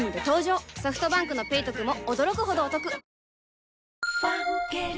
ソフトバンクの「ペイトク」も驚くほどおトク女性）